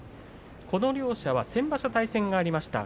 この両者は先場所対戦がありました。